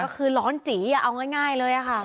ก็คือร้อนจีเอาง่ายเลยค่ะ